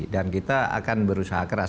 dan kita akan berusaha keras